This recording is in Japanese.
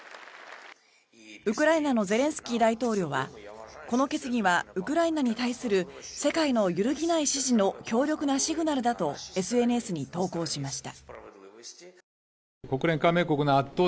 ウクライナのゼレンスキー大統領はこの決議はウクライナに対する世界の揺るぎない支持の強力なシグナルだとＳＮＳに投稿しました。